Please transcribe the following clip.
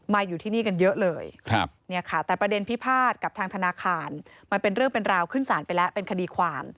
อยู่ที่นี่กันเยอะเลยแต่ประเด็นพิพาทกับทางธนาคารมันเป็นเรื่องเป็นราวขึ้นสารไปแล้วเป็นคดีความ